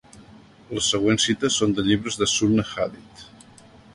Les següents cites són de llibres de sunna "hadit".